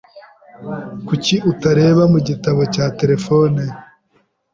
Kuki utareba mu gitabo cya terefone?